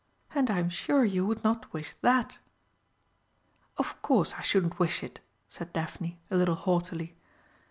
And I am sure you would not wish that." "Of course I shouldn't wish it," said Daphne, a little haughtily.